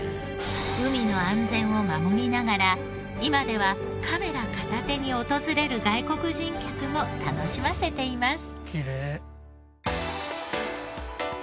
海の安全を守りながら今ではカメラ片手に訪れる外国人客も楽しませています。